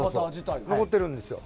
残ってるんですよ。